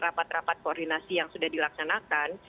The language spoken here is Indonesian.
rapat rapat koordinasi yang sudah dilaksanakan